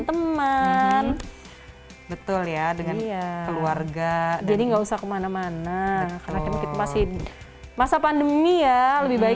teman betul ya dengan ya keluarga jadi nggak usah kemana mana karena kita masih masa pandemi ya lebih baik